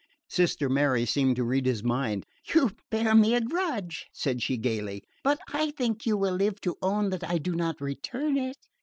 Sister Mary seemed to read his mind. "You bear me a grudge," said she gaily; "but I think you will live to own that I do not return it.